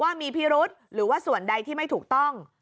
ว่ามีพิรุษหรือว่าส่วนใดที่ไม่ถูกต้อง